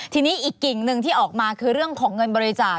ทีนี้อีกกิ่งหนึ่งที่ออกมาคือเรื่องของเงินบริจาค